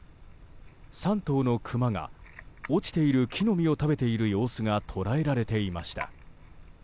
３頭のクマが落ちている木の実を食べている様子が捉えられていました。